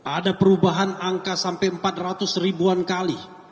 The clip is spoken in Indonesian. ada perubahan angka sampai empat ratus ribuan kali